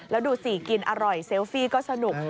แล้วดูสิกินอร่อยเซลฟี่ก็สนุก